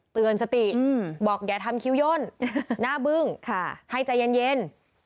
เตือนสติบอกอย่าทำคิ้วย่นหน้าบึ้งให้ใจเย็น